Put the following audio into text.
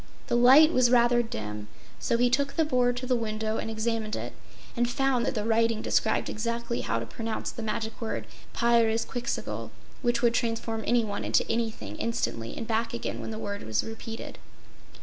The light was rather dim, so he took the board to the window and examined it, and found that the writing described exactly how to pronounce the magic word Pyrzqxgl, which would transform anyone into anything instantly, and back again when the word was repeated.